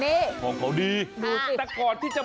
นี่แหละแล้วก็วางไว้ข้อข้ออย่างเนี้ยนะคะ